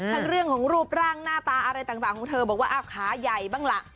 ทั้งเรื่องของรูปร่างหน้าตาอะไรต่างของเธอบอกว่าอ้าวขาใหญ่บ้างล่ะ